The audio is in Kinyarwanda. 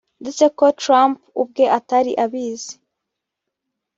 ndetse ko Trump ubwe atari abizi